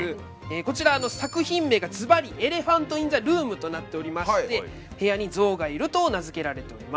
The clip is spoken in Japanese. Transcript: こちら作品名がずばり「Ｅｌｅｐｈａｎｔｉｎｔｈｅｒｏｏｍ」となっておりまして「部屋に象がいる」と名付けられております。